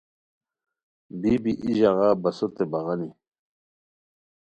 بی بی ای ژاغا بسوتے بغانی